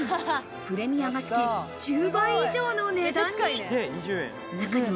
プレミアがつき、１０倍以上の値段に。